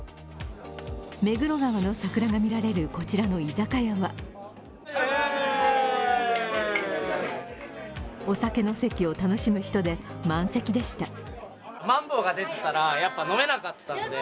目黒川の桜が見られる、こちらの居酒屋はお酒の席を楽しむ人で満席でした。